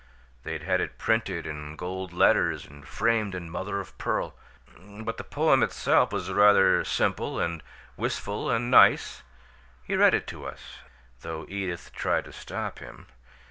They'd had it printed in gold letters and framed in mother of pearl. But the poem itself was rather simple and wistful and nice he read it to us, though Edith tried to stop him.